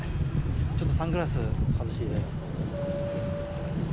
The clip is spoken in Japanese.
ちょっとサングラス外していただいて。